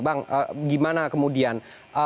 bang gimana kemudian